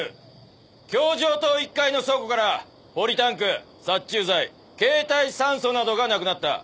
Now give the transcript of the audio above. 教場棟１階の倉庫からポリタンク殺虫剤携帯酸素などがなくなった。